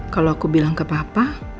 kalau aku bilang ke papa